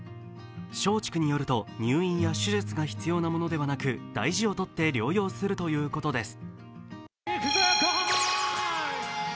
松竹によると、入院や手術が必要なものではなく、大事をとって療養するとのことです。